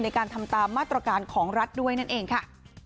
ในการทำตามมาตรการของรัฐด้วยนั่นเองค่ะ